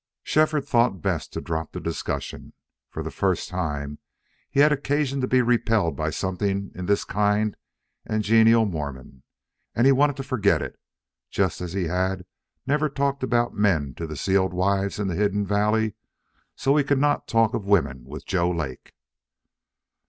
Shefford thought best to drop the discussion. For the first time he had occasion to be repelled by something in this kind and genial Mormon, and he wanted to forget it. Just as he had never talked about men to the sealed wives in the hidden valley, so he could not talk of women to Joe Lake.